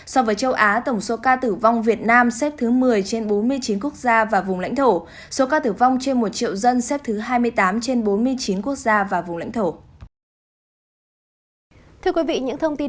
so với châu á tổng số ca tử vong việt nam xếp thứ một mươi trên bốn mươi chín quốc gia và vùng lãnh thổ